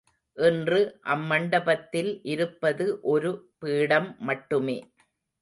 இன்று அம்மண்டபத்தில் இருப்பது ஒரு பீடம் மட்டுமே.